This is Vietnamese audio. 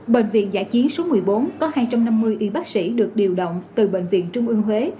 bệnh viện giã chiến số một mươi bốn có hai trăm năm mươi y bác sĩ được điều động từ bệnh viện trung ương huế